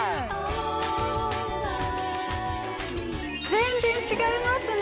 全然違いますね。